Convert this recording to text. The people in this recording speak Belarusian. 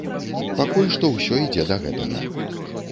Пакуль што ўсё ідзе да гэтага.